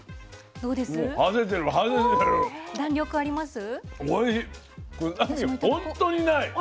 どうですか？